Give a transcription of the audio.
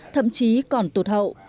thậm chí còn tụt hậu